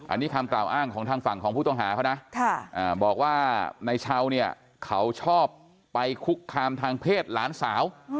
อันนี้คำกล่าวอ้างของทางฝั่งของผู้ต้องหาเขานะบอกว่าในเช้าเนี่ยเขาชอบไปคุกคามทางเพศหลานสาว